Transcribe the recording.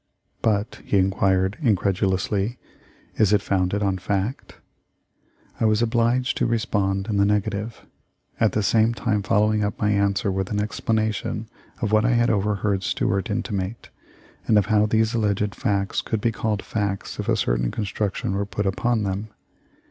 "But," he inquired, incredulously, "is it founded on fact?" I was obliged to respond in the negative, at the same time following up my answer with an explanation of what I had overheard Stuart inti mate, and of how these alleged facts could be called facts if a certain construction were put upon them.